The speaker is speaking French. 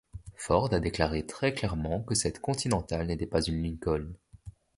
Ford a déclaré très clairement que cette Continental n'était pas une Lincoln.